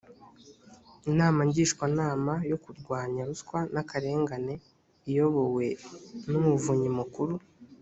inama ngishwanama yo kurwanya ruswa n’ akarengane iyobowe n’umuvunyi mukuru